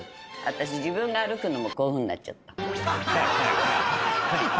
私自分が歩くのもこういうふうになっちゃった。